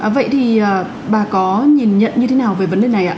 vậy thì bà có nhìn nhận như thế nào về vấn đề này ạ